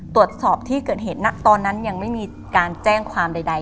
ตรวจสอบที่เกิดเหตุตอนนั้นยังไม่มีการแจ้งความใด